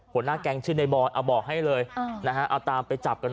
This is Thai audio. หัวหน้าแก๊งชื่อในบอยเอาบอกให้เลยเอาตามไปจับกันหน่อย